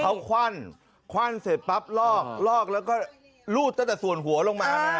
เขาควั่นคว่ำเสร็จปั๊บลอกลอกแล้วก็รูดตั้งแต่ส่วนหัวลงมานะฮะ